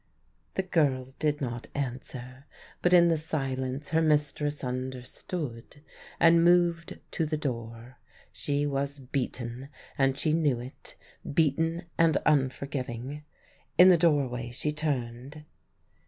The girl did not answer. But in the silence her mistress understood, and moved to the door. She was beaten, and she knew it; beaten and unforgiving, In the doorway she turned.